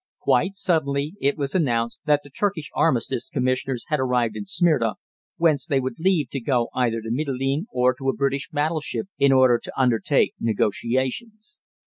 Quite suddenly it was announced that the Turkish armistice commissioners had arrived in Smyrna, whence they would leave to go either to Mitylene or to a British battleship, in order to undertake negotiations.